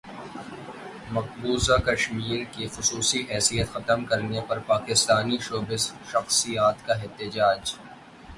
مقبوضہ کشمیر کی خصوصی حیثیت ختم کرنے پر پاکستانی شوبز شخصیات کا احتجاج